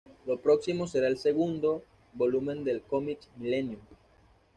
Lo próximo será el segundo volumen del cómic "Millennium".